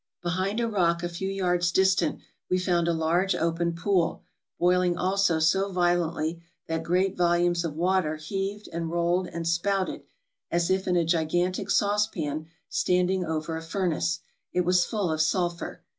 Behind a rock a few yards distant we found a large open pool, boiling also so violently that great volumes of water heaved and rolled and spouted, as if in a gigantic saucepan standing over a furnace. It was full of sulphur.